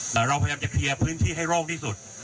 แต่เราพยายามจะเคลียร์พื้นที่ให้โล่งที่สุด